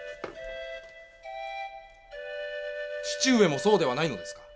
義父上もそうではないのですか？